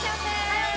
はい！